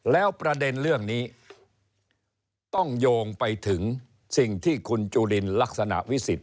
แล้วประเด็นเรื่องนี้ต้องโยงไปถึงสิ่งที่คุณจุลินลักษณะวิสิทธ